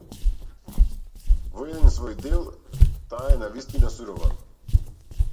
Во еден свој дел таа е навистина сурова.